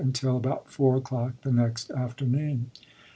until about 4 o'clock the next afternoon.